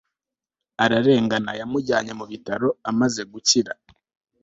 ararengana. yamujyanye mu bitaro. amaze gukira